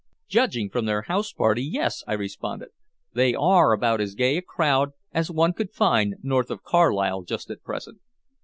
"Judging from their house party, yes," I responded. "They are about as gay a crowd as one could find north of Carlisle just at present."